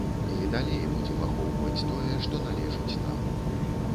І далей будзем ахоўваць тое, што належыць нам.